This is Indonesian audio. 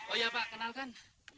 oh iya pak kenalkan